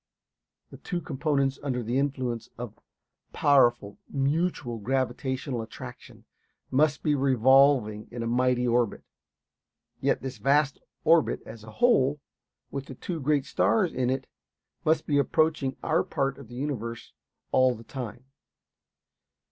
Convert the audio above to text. The two components, under the influence of powerful mutual gravitational attraction, must be revolving in a mighty orbit. Yet this vast orbit, as a whole, with the two great stars in it, must be approaching our part of the universe all the time.